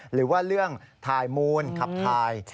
หรือว่าเรื่องถ่ายมูลขับถ่าย